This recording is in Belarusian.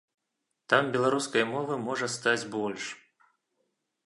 Там беларускай мовы можа стаць больш.